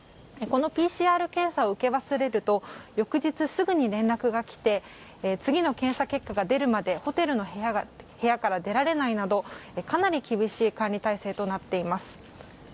このＰＣＲ検査を受け忘れると翌日すぐに連絡が来て次の検査結果が出るまでホテルの部屋から出られないなどかなり厳しい管理体制となっています。